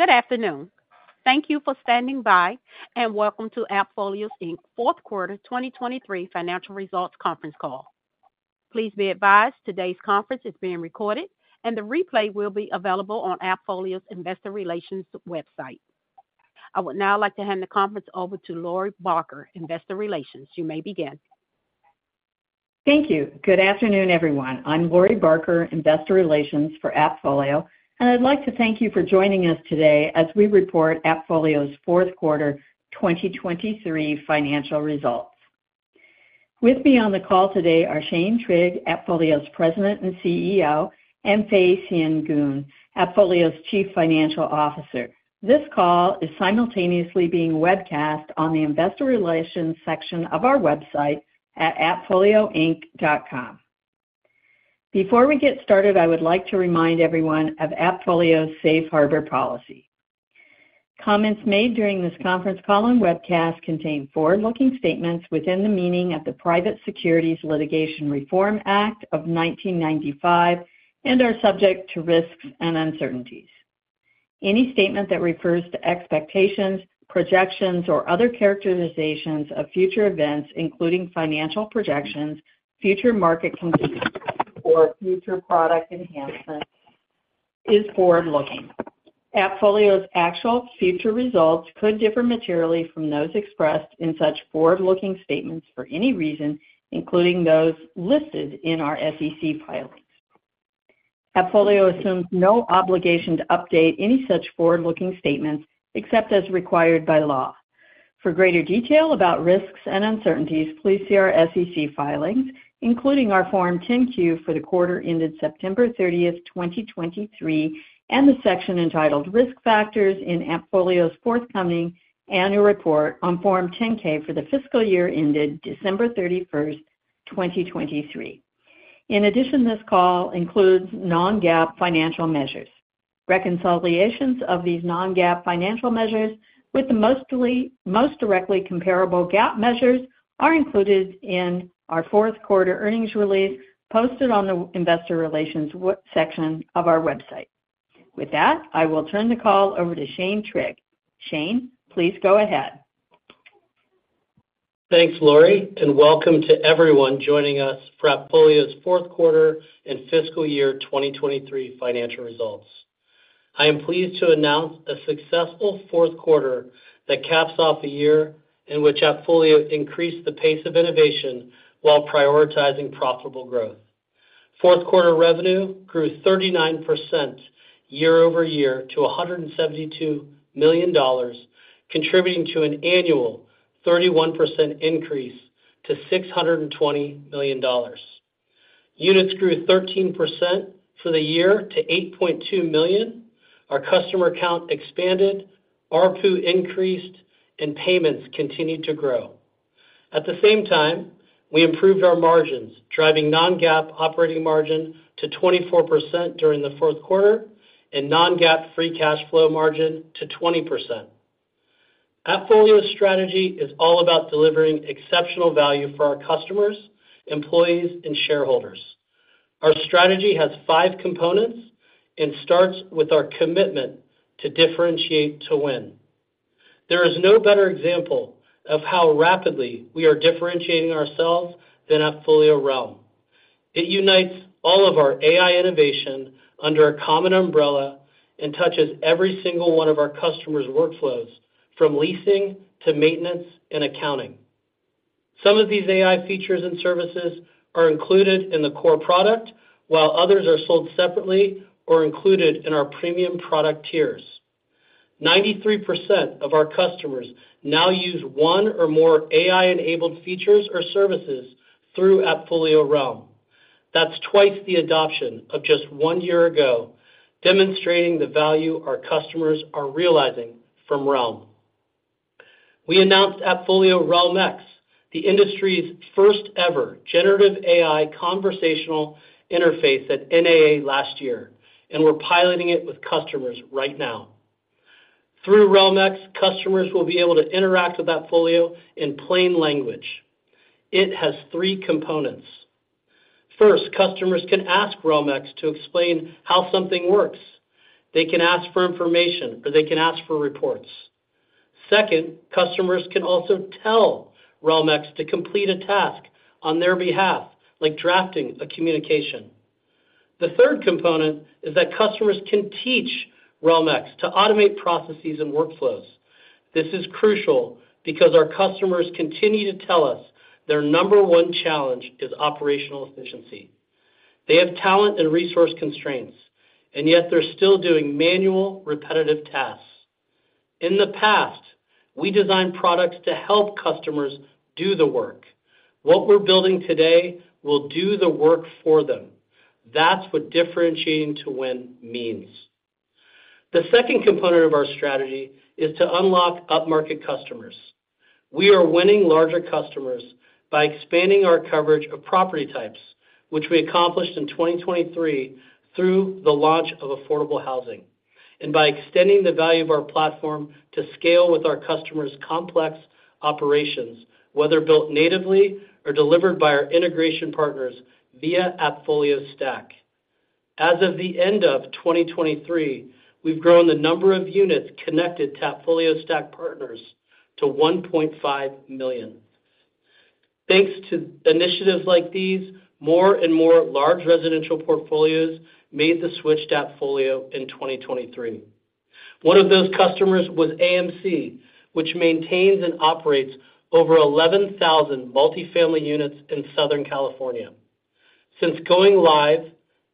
Good afternoon. Thank you for standing by, and welcome to AppFolio, Inc.'s fourth quarter 2023 financial results conference call. Please be advised, today's conference is being recorded, and the replay will be available on AppFolio's investor relations website. I would now like to hand the conference over to Lori Barker, Investor Relations. You may begin. Thank you. Good afternoon, everyone. I'm Lori Barker, Investor Relations for AppFolio, and I'd like to thank you for joining us today as we report AppFolio's fourth quarter, 2023 financial results. With me on the call today are Shane Trigg, AppFolio's President and CEO, and Fay Sien Goon, AppFolio's Chief Financial Officer. This call is simultaneously being webcast on the investor relations section of our website at appfolio.com. Before we get started, I would like to remind everyone of AppFolio's Safe Harbor policy. Comments made during this conference call and webcast contain forward-looking statements within the meaning of the Private Securities Litigation Reform Act of 1995 and are subject to risks and uncertainties. Any statement that refers to expectations, projections, or other characterizations of future events, including financial projections, future market conditions, or future product enhancements, is forward-looking. AppFolio's actual future results could differ materially from those expressed in such forward-looking statements for any reason, including those listed in our SEC filings. AppFolio assumes no obligation to update any such forward-looking statements except as required by law. For greater detail about risks and uncertainties, please see our SEC filings, including our Form 10-Q for the quarter ended September 30, 2023, and the section entitled "Risk Factors" in AppFolio's forthcoming annual report on Form 10-K for the fiscal year ended December 31, 2023. In addition, this call includes non-GAAP financial measures. Reconciliations of these non-GAAP financial measures with the most directly comparable GAAP measures are included in our fourth quarter earnings release, posted on the investor relations section of our website. With that, I will turn the call over to Shane Trigg. Shane, please go ahead. Thanks, Lori, and welcome to everyone joining us for AppFolio's fourth quarter and fiscal year 2023 financial results. I am pleased to announce a successful fourth quarter that caps off a year in which AppFolio increased the pace of innovation while prioritizing profitable growth. Fourth quarter revenue grew 39% year-over-year to $172 million, contributing to an annual 31% increase to $620 million. Units grew 13% for the year to 8.2 million. Our customer count expanded, ARPU increased, and payments continued to grow. At the same time, we improved our margins, driving non-GAAP operating margin to 24% during the fourth quarter and non-GAAP free cash flow margin to 20%. AppFolio's strategy is all about delivering exceptional value for our customers, employees, and shareholders. Our strategy has five components and starts with our commitment to differentiate to win. There is no better example of how rapidly we are differentiating ourselves than AppFolio Realm. It unites all of our AI innovation under a common umbrella and touches every single one of our customers' workflows, from leasing to maintenance and accounting. Some of these AI features and services are included in the core product, while others are sold separately or included in our premium product tiers. 93% of our customers now use one or more AI-enabled features or services through AppFolio Realm. That's twice the adoption of just one year ago, demonstrating the value our customers are realizing from Realm. We announced AppFolio Realm-X, the industry's first-ever generative AI conversational interface at NAA last year, and we're piloting it with customers right now. Through Realm-X, customers will be able to interact with AppFolio in plain language. It has three components. First, customers can ask Realm-X to explain how something works. They can ask for information, or they can ask for reports. Second, customers can also tell Realm-X to complete a task on their behalf, like drafting a communication. The third component is that customers can teach Realm-X to automate processes and workflows. This is crucial because our customers continue to tell us their number one challenge is operational efficiency. They have talent and resource constraints, and yet they're still doing manual, repetitive tasks. In the past, we designed products to help customers do the work. What we're building today will do the work for them. That's what differentiating to win means. The second component of our strategy is to unlock upmarket customers. We are winning larger customers by expanding our coverage of property types, which we accomplished in 2023 through the launch of affordable housing, and by extending the value of our platform to scale with our customers' complex operations, whether built natively or delivered by our integration partners via AppFolio Stack. As of the end of 2023, we've grown the number of units connected to AppFolio Stack partners to 1.5 million. Thanks to initiatives like these, more and more large residential portfolios made the switch to AppFolio in 2023. One of those customers was AMC, which maintains and operates over 11,000 multifamily units in Southern California. Since going live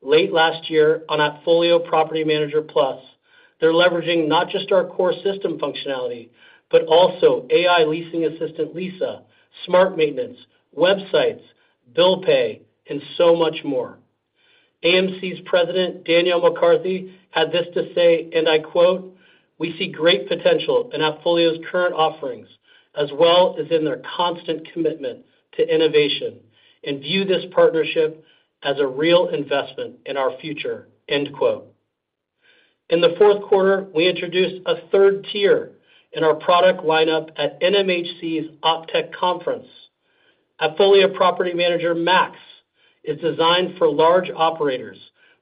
late last year on AppFolio Property Manager Plus, they're leveraging not just our core system functionality, but also AI Leasing Assistant, Lisa, Smart Maintenance, websites, bill pay, and so much more. AMC's president, Danielle McCarthy, had this to say, and I quote, "We see great potential in AppFolio's current offerings, as well as in their constant commitment to innovation, and view this partnership as a real investment in our future." End quote. In the fourth quarter, we introduced a third tier in our product lineup at NMHC's OPTECH conference. AppFolio Property Manager Max is designed for large operators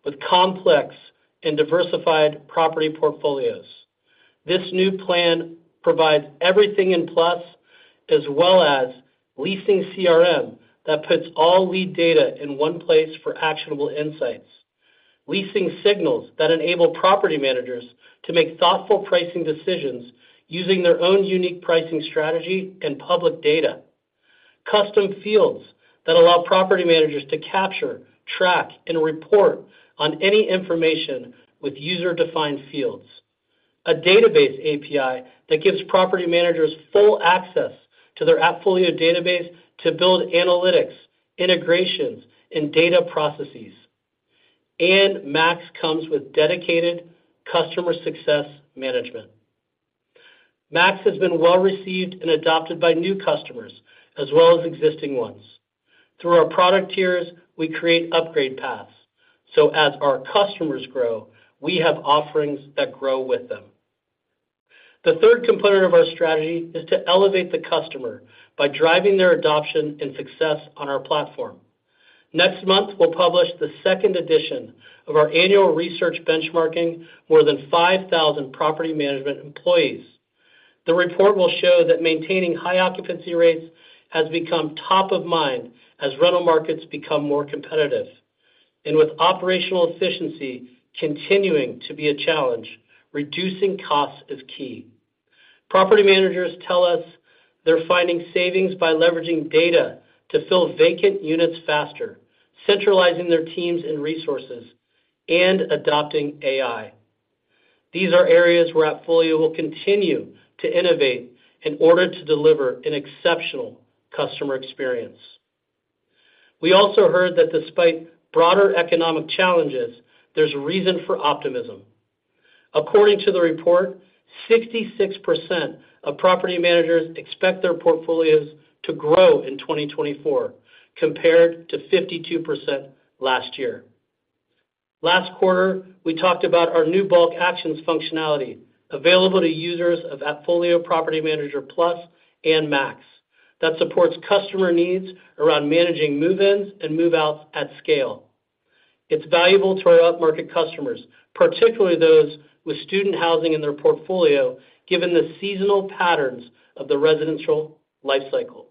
with complex and diversified property portfolios. This new plan provides everything in Plus, as well as Leasing CRM that puts all lead data in one place for actionable insights. Leasing Signals that enable property managers to make thoughtful pricing decisions using their own unique pricing strategy and public data. Custom Fields that allow property managers to capture, track, and report on any information with user-defined fields. A Database API that gives property managers full access to their AppFolio database to build analytics, integrations, and data processes. And Max comes with dedicated customer success management. Max has been well-received and adopted by new customers as well as existing ones. Through our product tiers, we create upgrade paths, so as our customers grow, we have offerings that grow with them. The third component of our strategy is to elevate the customer by driving their adoption and success on our platform. Next month, we'll publish the second edition of our annual research benchmarking more than 5,000 property management employees. The report will show that maintaining high occupancy rates has become top of mind as rental markets become more competitive, and with operational efficiency continuing to be a challenge, reducing costs is key. Property managers tell us they're finding savings by leveraging data to fill vacant units faster, centralizing their teams and resources, and adopting AI. These are areas where AppFolio will continue to innovate in order to deliver an exceptional customer experience. We also heard that despite broader economic challenges, there's reason for optimism. According to the report, 66% of property managers expect their portfolios to grow in 2024, compared to 52% last year. Last quarter, we talked about our new bulk actions functionality, available to users of AppFolio Property Manager Plus and Max, that supports customer needs around managing move-ins and move-outs at scale. It's valuable to our upmarket customers, particularly those with student housing in their portfolio, given the seasonal patterns of the residential life cycle.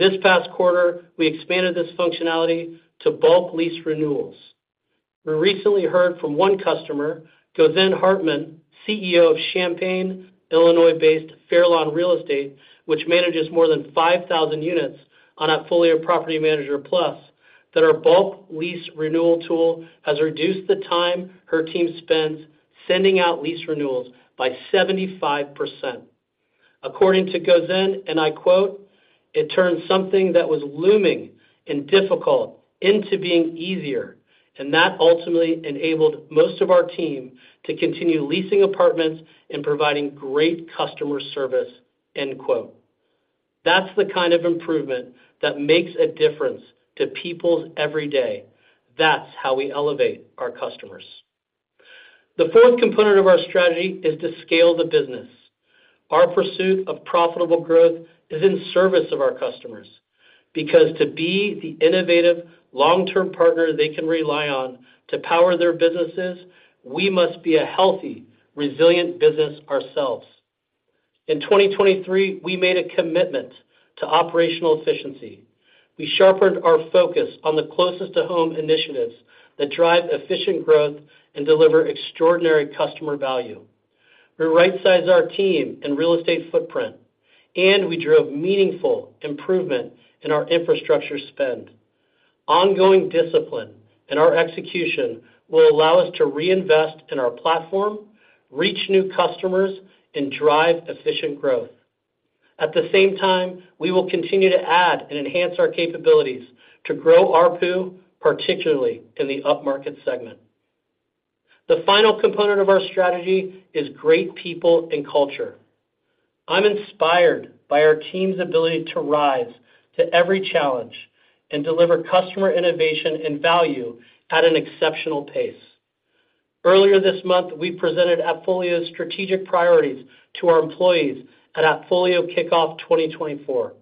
This past quarter, we expanded this functionality to bulk lease renewals. We recently heard from one customer, Gozen Hartman, CEO of Champaign, Illinois-based Fairlawn Real Estate, which manages more than 5,000 units on AppFolio Property Manager Plus, that our bulk lease renewal tool has reduced the time her team spends sending out lease renewals by 75%. According to Gozen, and I quote, "It turns something that was looming and difficult into being easier, and that ultimately enabled most of our team to continue leasing apartments and providing great customer service." end quote. That's the kind of improvement that makes a difference to people every day. That's how we elevate our customers. The fourth component of our strategy is to scale the business. Our pursuit of profitable growth is in service of our customers, because to be the innovative long-term partner they can rely on to power their businesses, we must be a healthy, resilient business ourselves. In 2023, we made a commitment to operational efficiency. We sharpened our focus on the closest to home initiatives that drive efficient growth and deliver extraordinary customer value. We rightsized our team and real estate footprint, and we drove meaningful improvement in our infrastructure spend. Ongoing discipline in our execution will allow us to reinvest in our platform, reach new customers, and drive efficient growth. At the same time, we will continue to add and enhance our capabilities to grow ARPU, particularly in the upmarket segment. The final component of our strategy is great people and culture. I'm inspired by our team's ability to rise to every challenge and deliver customer innovation and value at an exceptional pace…. Earlier this month, we presented AppFolio's strategic priorities to our employees at AppFolio Kickoff 2024.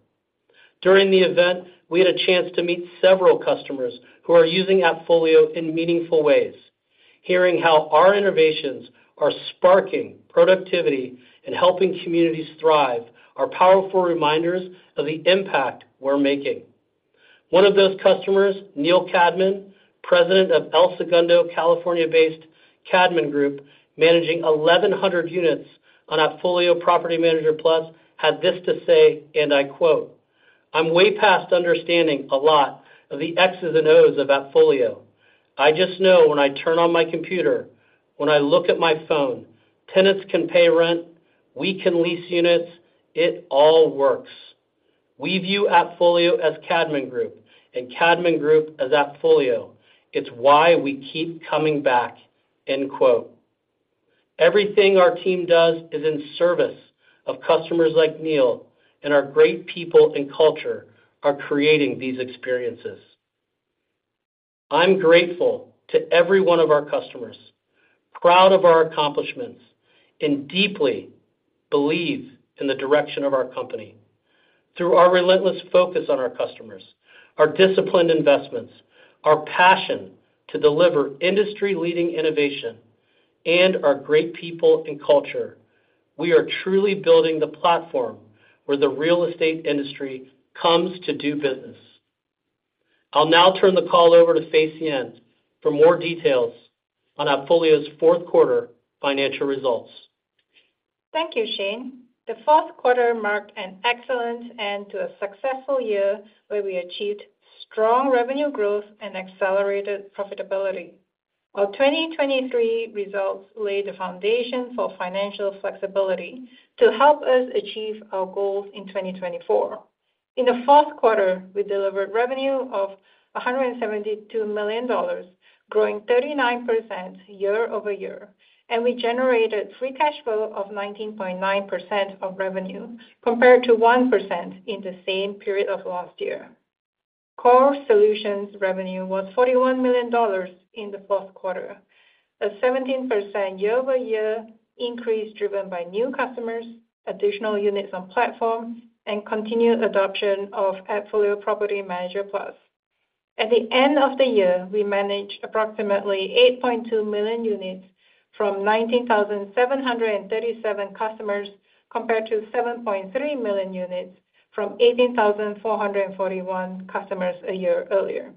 During the event, we had a chance to meet several customers who are using AppFolio in meaningful ways. Hearing how our innovations are sparking productivity and helping communities thrive are powerful reminders of the impact we're making. One of those customers, Neil Cadman, President of El Segundo, California-based Cadman Group, managing 1,100 units on AppFolio Property Manager Plus, had this to say, and I quote: "I'm way past understanding a lot of the X's and O's of AppFolio. I just know when I turn on my computer, when I look at my phone, tenants can pay rent, we can lease units. It all works. We view AppFolio as Cadman Group, and Cadman Group as AppFolio. It's why we keep coming back." End quote. Everything our team does is in service of customers like Neil, and our great people and culture are creating these experiences. I'm grateful to every one of our customers, proud of our accomplishments, and deeply believe in the direction of our company. Through our relentless focus on our customers, our disciplined investments, our passion to deliver industry-leading innovation, and our great people and culture, we are truly building the platform where the real estate industry comes to do business. I'll now turn the call over to Fay Sien for more details on AppFolio's fourth quarter financial results. Thank you, Shane. The fourth quarter marked an excellent end to a successful year, where we achieved strong revenue growth and accelerated profitability, while 2023 results laid the foundation for financial flexibility to help us achieve our goals in 2024. In the fourth quarter, we delivered revenue of $172 million, growing 39% year-over-year, and we generated free cash flow of 19.9% of revenue, compared to 1% in the same period of last year. Core solutions revenue was $41 million in the fourth quarter, a 17% year-over-year increase, driven by new customers, additional units on platform, and continued adoption of AppFolio Property Manager Plus. At the end of the year, we managed approximately 8.2 million units from 19,737 customers, compared to 7.3 million units from 18,441 customers a year earlier.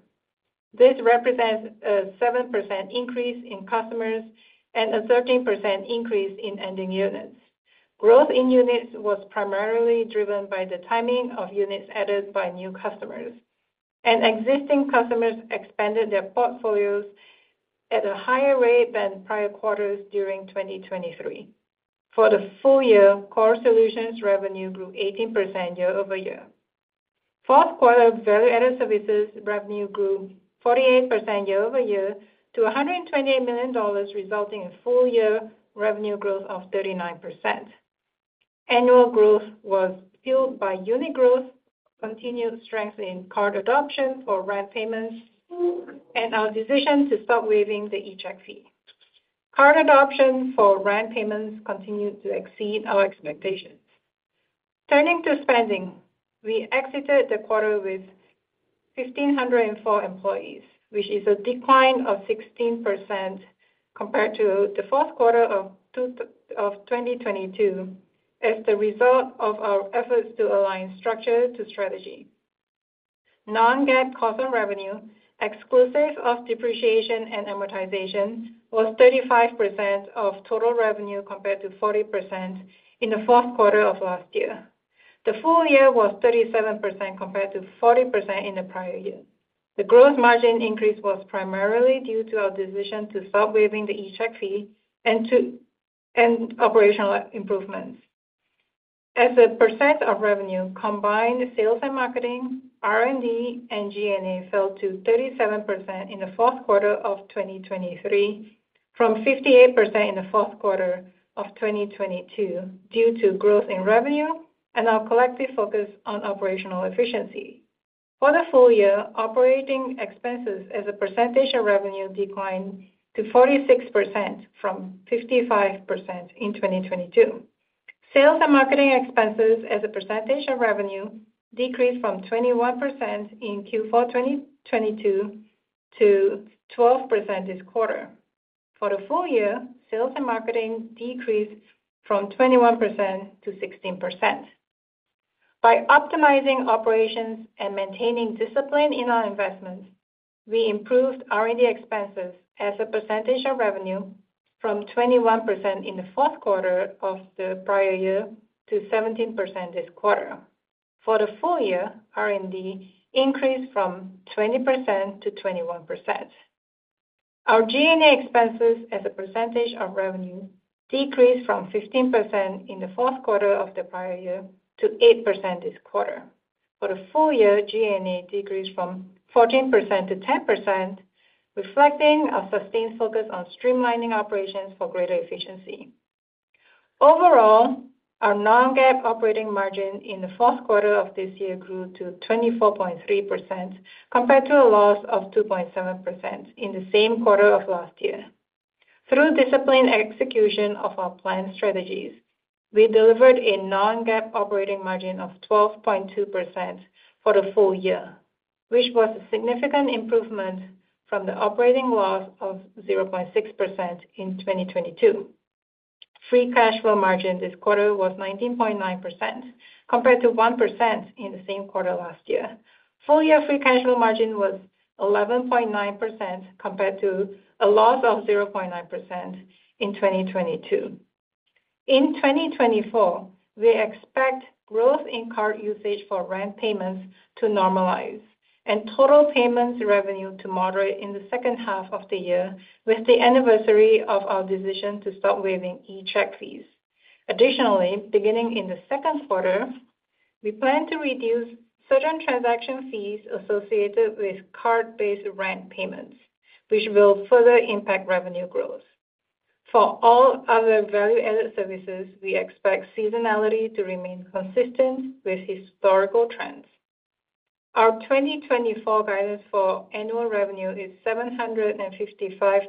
This represents a 7% increase in customers and a 13% increase in ending units. Growth in units was primarily driven by the timing of units added by new customers, and existing customers expanded their portfolios at a higher rate than prior quarters during 2023. For the full-year, core solutions revenue grew 18% year-over-year. Fourth quarter value-added services revenue grew 48% year-over-year to $128 million, resulting in full-year revenue growth of 39%. Annual growth was fueled by unit growth, continued strength in card adoption for rent payments, and our decision to stop waiving the eCheck fee. Card adoption for rent payments continued to exceed our expectations. Turning to spending, we exited the quarter with 1,504 employees, which is a decline of 16% compared to the fourth quarter of 2022, as the result of our efforts to align structure to strategy. Non-GAAP cost of revenue, exclusive of depreciation and amortization, was 35% of total revenue, compared to 40% in the fourth quarter of last year. The full-year was 37%, compared to 40% in the prior year. The gross margin increase was primarily due to our decision to stop waiving the eCheck fee and operational improvements. As a percent of revenue, combined sales and marketing, R&D, and G&A fell to 37% in the fourth quarter of 2023, from 58% in the fourth quarter of 2022, due to growth in revenue and our collective focus on operational efficiency. For the full-year, operating expenses as a percentage of revenue declined to 46% from 55% in 2022. Sales and marketing expenses as a percentage of revenue decreased from 21% in Q4 2022 to 12% this quarter. For the full-year, sales and marketing decreased from 21% to 16%. By optimizing operations and maintaining discipline in our investments, we improved R&D expenses as a percentage of revenue from 21% in the fourth quarter of the prior year to 17% this quarter. For the full-year, R&D increased from 20% to 21%. Our G&A expenses as a percentage of revenue decreased from 15% in the fourth quarter of the prior year to 8% this quarter. For the full-year, G&A decreased from 14% to 10%, reflecting a sustained focus on streamlining operations for greater efficiency.... Overall, our non-GAAP operating margin in the fourth quarter of this year grew to 24.3%, compared to a loss of 2.7% in the same quarter of last year. Through disciplined execution of our planned strategies, we delivered a non-GAAP operating margin of 12.2% for the full-year, which was a significant improvement from the operating loss of 0.6% in 2022. Free cash flow margin this quarter was 19.9%, compared to 1% in the same quarter last year. Full-year free cash flow margin was 11.9%, compared to a loss of 0.9% in 2022. In 2024, we expect growth in card usage for rent payments to normalize and total payments revenue to moderate in the second half of the year, with the anniversary of our decision to stop waiving eCheck fees. Additionally, beginning in the second quarter, we plan to reduce certain transaction fees associated with card-based rent payments, which will further impact revenue growth. For all other value-added services, we expect seasonality to remain consistent with historical trends. Our 2024 guidance for annual revenue is $755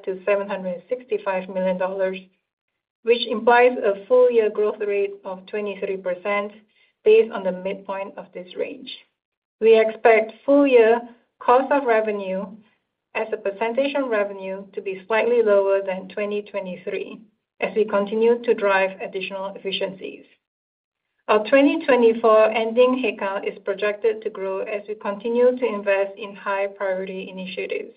million-$765 million, which implies a full-year growth rate of 23% based on the midpoint of this range. We expect full-year cost of revenue as a percentage of revenue to be slightly lower than 2023, as we continue to drive additional efficiencies. Our 2024 ending head count is projected to grow as we continue to invest in high-priority initiatives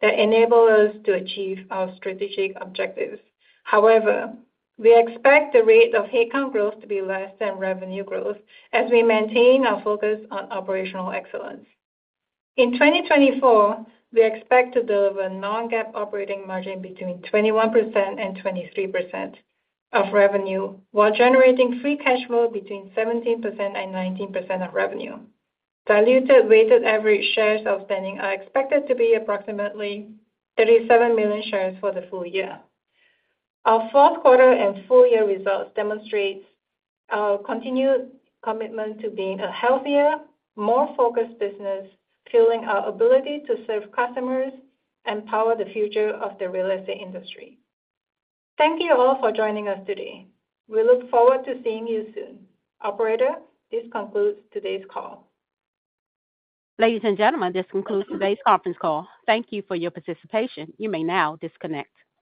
that enable us to achieve our strategic objectives. However, we expect the rate of head count growth to be less than revenue growth as we maintain our focus on operational excellence. In 2024, we expect to deliver Non-GAAP operating margin between 21% and 23% of revenue, while generating free cash flow between 17% and 19% of revenue. Diluted weighted average shares outstanding are expected to be approximately 37 million shares for the full-year. Our fourth quarter and full-year results demonstrates our continued commitment to being a healthier, more focused business, fueling our ability to serve customers and power the future of the real estate industry. Thank you all for joining us today. We look forward to seeing you soon. Operator, this concludes today's call. Ladies and gentlemen, this concludes today's conference call. Thank you for your participation. You may now disconnect.